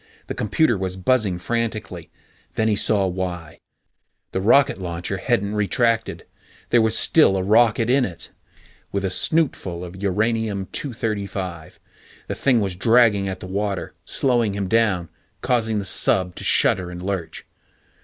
The computer was buzzing frantically. Then he saw why. The rocket launcher hadn't retracted; there was still a rocket in it with a snootful of Uranium 235. The thing was dragging at the water, slowing him down, causing the sub to shudder and lurch.